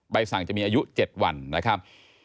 สั่งจะมีอายุ๗วันนะครับ